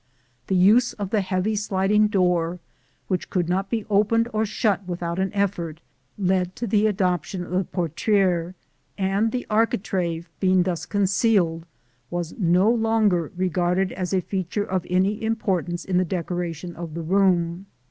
The use of the heavy sliding door, which could not be opened or shut without an effort, led to the adoption of the portière; and the architrave, being thus concealed, was no longer regarded as a feature of any importance in the decoration of the room.